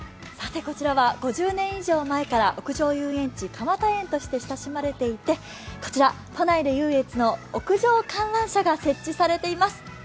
こちらは５０年以上前から屋上遊園地、かまたえんとして親しまれていてこちら都内で唯一の屋上観覧車が設置されています。